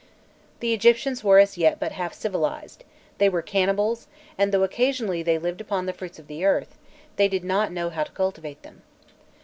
The Egyptians were as yet but half civilized; they were cannibals, and though occasionally they lived upon the fruits of the earth, they did not know how to cultivate them.